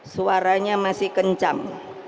suaranya masih kencang